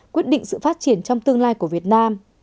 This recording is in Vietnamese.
quyết định sự phát triển trong tương lai của việt nam